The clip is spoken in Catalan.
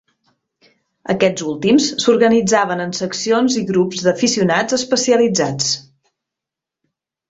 Aquests últims s'organitzaven en seccions i grups d'aficionats especialitzats.